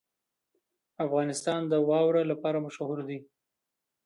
افغانستان د واوره لپاره مشهور دی.